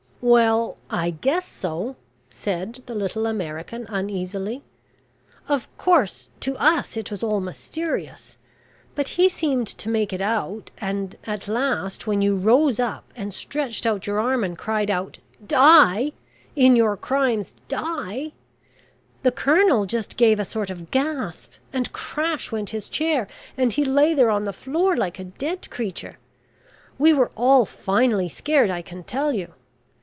"Well I guess so," said the little American, uneasily. "Of course, to us it was all mysterious; but he seemed to make it out, and at last, when you rose up and stretched out your arm and cried out, `Die! in your crimes die!' the Colonel just gave a sort of gasp, and crash went his chair, and he lay there on the floor like a dead creature. We were all finely scared, I can tell you.